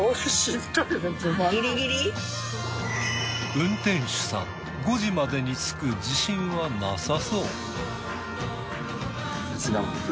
運転手さん５時までに着く自信はなさそう。